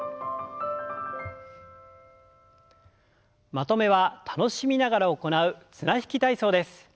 まとめは楽しみながら行う綱引き体操です。